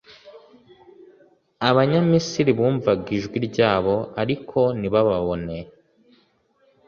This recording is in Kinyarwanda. Abanyamisiri bumvaga ijwi ryabo ariko ntibababone,